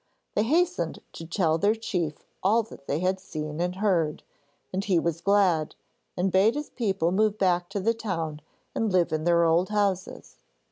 They hastened to tell their chief all that they had seen and heard, and he was glad, and bade his people move back to the town and live in their old houses.